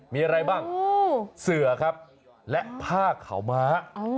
มีอะไรบ้างเสือครับและผ้าขาวม้า